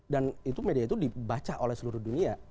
dan itu media itu dibaca oleh seluruh dunia